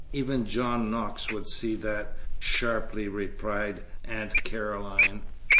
Even John Knox would see that," sharply replied Aunt Caroline.